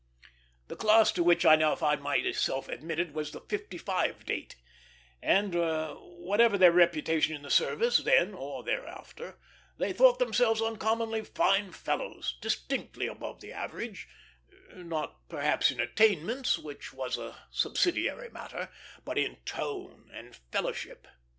The class to which I now found myself admitted was the "'55 Date," and whatever their reputation in the service, then or thereafter, they thought themselves uncommonly fine fellows, distinctly above the average not perhaps in attainments, which was a subsidiary matter, but in tone and fellowship.